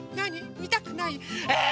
見たくない？ええ！